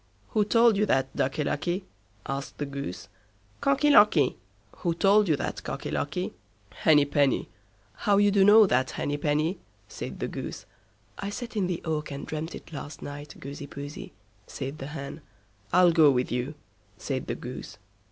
"Who told you that, Ducky Lucky?" asked the Goose. "Cocky Locky." "Who told you that, Cocky Locky?" "Henny Penny." "How you do know that, Henny Penny?" said the Goose. "I sat in the oak and dreamt it last night, Goosey Poosey", said the Hen. "I'll go with you", said the Goose.